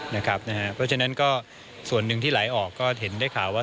เพราะฉะนั้นก็ส่วนหนึ่งที่ไหลออกก็เห็นได้ข่าวว่า